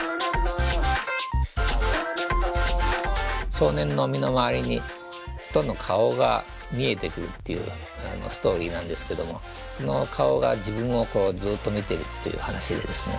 少年の身の回りにどんどん顔が見えてくるっていうストーリーなんですけどもその顔が自分をこうずっと見てるっていう話でですね。